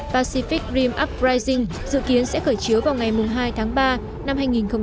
pacific rim uprising dự kiến sẽ khởi chiếu vào ngày hai tháng ba năm hai nghìn một mươi tám